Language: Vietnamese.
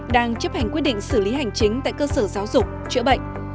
đang chấp hành quyết định xử lý hành chính tại cơ sở giáo dục chữa bệnh